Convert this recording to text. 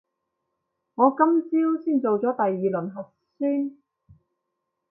我今朝先做咗第二輪核酸